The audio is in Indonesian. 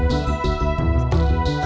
belum juga deh